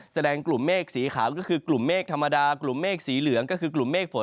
แสดงกลุ่มเมฆสีขาวก็คือกลุ่มเมฆธรรมดากลุ่มเมฆสีเหลืองก็คือกลุ่มเมฆฝน